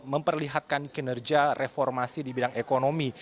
memperlihatkan kinerja reformasi di bidang ekonomi